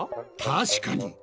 確かに。